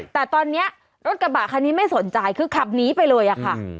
แต่ตอนนี้รถกระบะคันนี้ไม่สนใจคือขับหนีไปเลยอะค่ะ